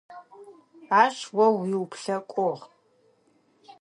Ащ о уиуплъэкӏугъ.